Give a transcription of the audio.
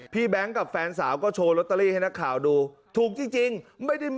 แบงค์กับแฟนสาวก็โชว์ลอตเตอรี่ให้นักข่าวดูถูกจริงไม่ได้